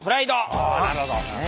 あなるほど。